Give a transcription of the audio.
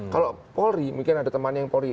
kalau polri mungkin ada temannya yang polri